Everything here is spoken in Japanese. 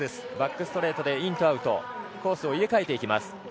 バックストレートでインとアウトコースを入れ替えていきます。